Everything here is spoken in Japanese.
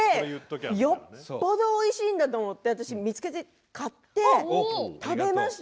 よっぽどおいしいんだと思って見つけて買って食べました。